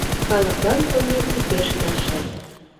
Калыклан комедий пеш келшен.